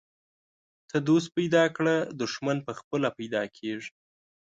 ته دوست پیدا کړه، دښمن پخپله پیدا کیږي.